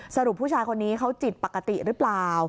ผู้ชายคนนี้เขาจิตปกติหรือเปล่า